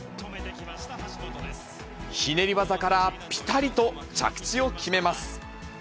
ひねり技からぴたりと着地を決めます。